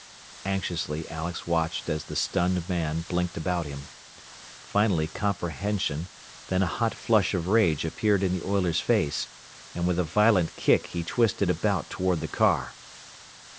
Anxiously Alex watched as the stunned man blinked about him. Finally comprehension, then a hot flush of rage appeared in the oiler's face, and with a violent kick he twisted about toward the car.